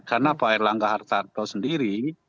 karena pak erlangga hartarto sendiri